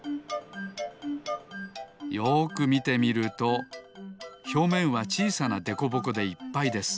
よくみてみるとひょうめんはちいさなでこぼこでいっぱいです。